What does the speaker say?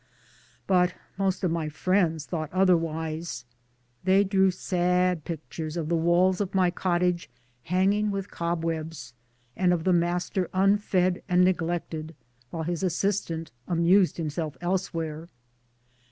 But most of my friends thought otherwise. They drew sad pictures of the walls of my cottage hanging with cobwebs, and of the master unfed and neglected while his assistant amused himself elsewhere.